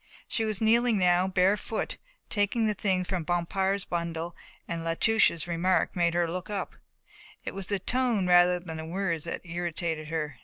She was kneeling now, bare footed, taking the things from Bompard's bundle and La Touche's remark made her look up. It was the tone rather than the words that irritated her.